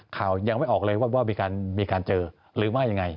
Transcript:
ยังไม่ออกเลยว่ามีการเจอหรือไม่ยังไง